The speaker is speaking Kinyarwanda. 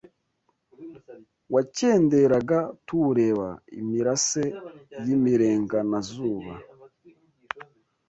Wakenderaga tuwureba Imirase y’ imirenganazuba